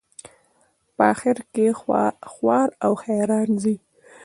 په آخر کې خوار او حیران ځي.